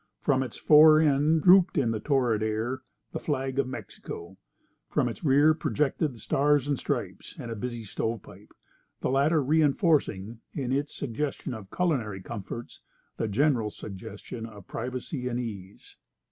From its fore end drooped in the torrid air the flag of Mexico. From its rear projected the Stars and Stripes and a busy stovepipe, the latter reinforcing in its suggestion of culinary comforts the general suggestion of privacy and ease.